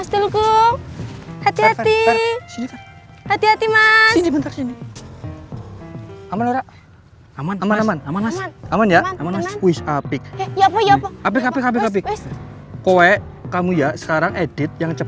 sampai jumpa di video selanjutnya